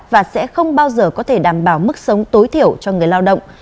và sẽ không bao giờ có thể đảm bảo mức sống tối thiểu cho người lao động